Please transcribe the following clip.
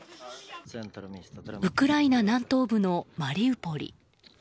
ウクライナ南東部のマリウポリ。